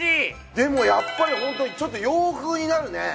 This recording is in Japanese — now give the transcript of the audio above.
でもやっぱりホントにちょっと洋風になるね。